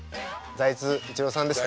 財津一郎さんですね。